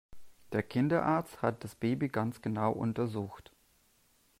Der Kinderarzt hat das Baby ganz genau untersucht.